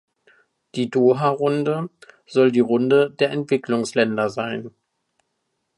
Die Doha-Runde soll die Runde der Entwicklungsländer sein.